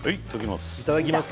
いただきます。